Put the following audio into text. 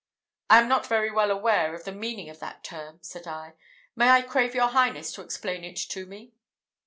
"I am not very well aware of the meaning of that term," said I: "may I crave your highness to explain it to me?"